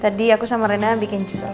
tadi aku sama rena bikin jus ala krim